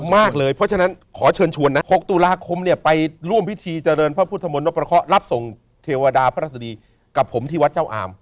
มากเลยเพราะฉะนั้นขอเชิญชวนนะ๖ตุลาคมเนี่ยไปร่วมพิธีเจริญพระพุทธมนตประเคาะรับส่งเทวดาพระราชดีกับผมที่วัดเจ้าอาม